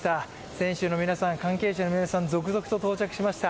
選手の皆さん、関係者の皆さん、続々と到着しました。